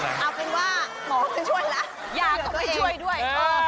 ยาก็ไม่ช่วยด้วย